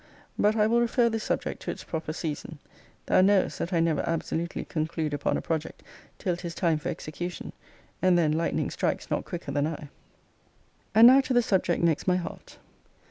But I will refer this subject to its proper season. Thou knowest, that I never absolutely conclude upon a project, till 'tis time for execution; and then lightning strikes not quicker than I. And now to the subject next my heart.